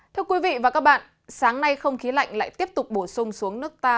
thưa quý vị và các bạn sáng nay không khí lạnh lại tiếp tục bổ sung xuống nước ta